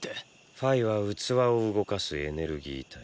ファイは器を動かすエネルギー体。